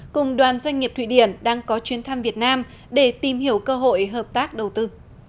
cùng đoàn doanh nghiệp thụy điển đang có chuyến thăm việt nam để tìm hiểu cơ hội hợp tác đầu tư